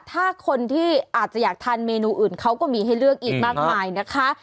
ถ้าคนที่อาจจะอยากทานเมนูอื่นเขาก็มีให้เลือกอีกมากมายนะคะ